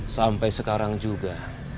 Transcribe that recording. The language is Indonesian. sampai sekarang juga